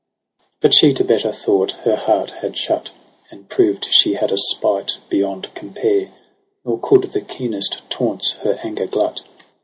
But she to better thought her heart had shut. And proved she had a spite beyond compare : Nor coud the keenest taunts her anger glut.